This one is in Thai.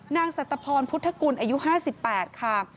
สัตพรพุทธกุลอายุ๕๘ค่ะ